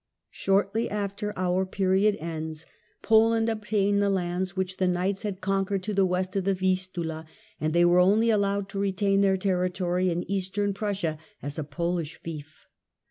Shortly after our period ends, Poland obtained the lands which the Knights had conquered to the West of the Vistula, Peace of and they were only allowed to retain their territory in i466 ' Eastern Prussia as a Polish fief.